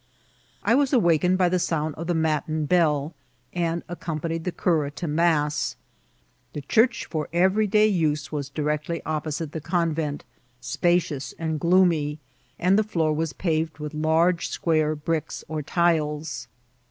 I was awaked by the sound of the matin bell, and ac companied the cura to mass. The church for every day use was directly opposite the convent, spacious and gloomy, and the floor was paved with large square bricks or tiles.